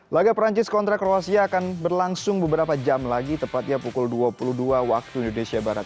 laga perancis kontra kroasia akan berlangsung beberapa jam lagi tepatnya pukul dua puluh dua waktu indonesia barat